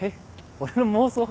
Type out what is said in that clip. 俺の妄想？